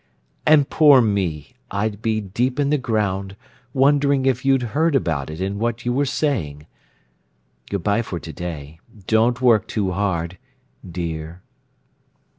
And poor me! I'd be deep in the ground, wondering if you'd heard about it and what you were saying! Good bye for to day. Don't work too hard—dear!